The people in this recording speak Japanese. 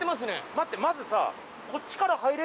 待ってまずさぁ。